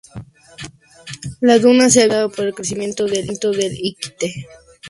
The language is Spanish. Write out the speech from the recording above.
La duna se ha visto afectada por el crecimiento de Iquique.